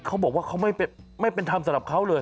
เขาบอกว่าเขาไม่เป็นธรรมสำหรับเขาเลย